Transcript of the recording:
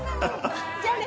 じゃあね。